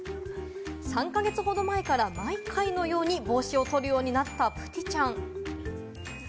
３か月ほど前から毎回のように帽子を取るようになったプティちゃん。